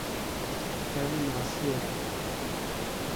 Ev masiyek e.